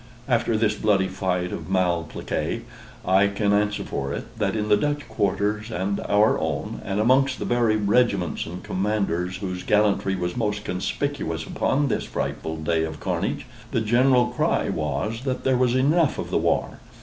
After this bloody fight of Malplaquet, I can answer for it, that in the Dutch quarters and our own, and amongst the very regiments and commanders whose gallantry was most conspicuous upon this frightful day of carnage, the general cry was, that there was enough of the war.